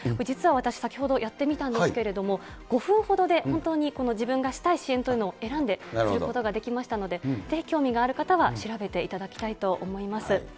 実はわたくし、先ほど、やってみたんですけれども、５分ほどで本当に自分がしたい支援というのを選んですることができましたので、ぜひ興味がある方は調べていただきたいと思います。